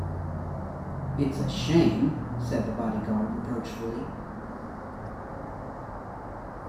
‘It’s a shame,’ said the bodyguard reproachfully.